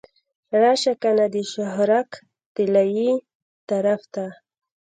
راشه کنه د شهرک طلایې طرف ته.